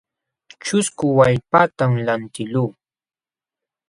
Ćhusku wallpatam lantiqluu.